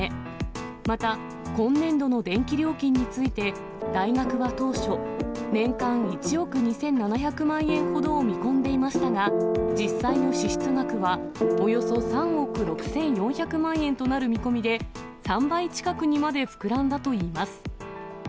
また、今年度の電気料金について、大学は当初、年間１億２７００万円ほどを見込んでいましたが、実際の支出額はおよそ３億６４００万円となる見込みで、３倍近くにまで膨らんだといいます。